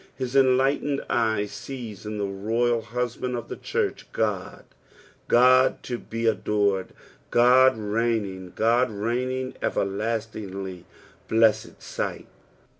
His enlighten*^ 'Cye sees in the royal Husband of the church, Ood, God to be adored, God reigning, God reigning everlastingly. Blessed sight